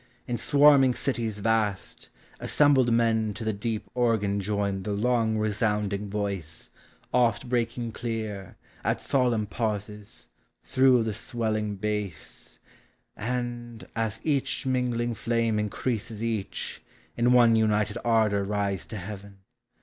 in swarming cities vast, Assembled men to the deep organ join The long resounding voice, 6ft breaking clear. At solemn pauses, through the swelling bass; And, as each mingling flame increases each, In one united ardor rise to Heaven.